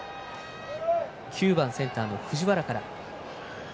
９番センター・藤原から。